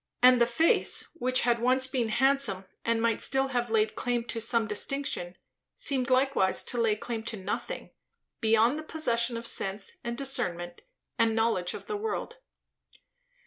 And the face, which had once been handsome, and might still have laid claim to some distinction, seemed likewise to lay claim to nothing, beyond the possession of sense and discernment and knowledge of the world.